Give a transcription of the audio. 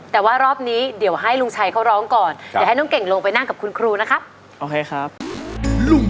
แต่ว่ารอบนี้เดี๋ยวให้ลุงชัยเข้าร้องก่อน